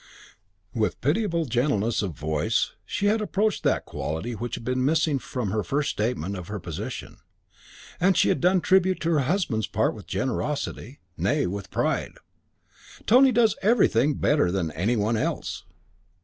With pitiable gentleness of voice she had approached that quantity which had been missing from her first statement of her position. And she had done tribute to her husband's parts with generosity, nay with pride. "Tony does everything better than any one else."